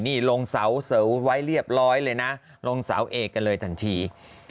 นี่ลงเสาเสวไว้เรียบร้อยเลยนะลงเสาเอกกันเลยทันที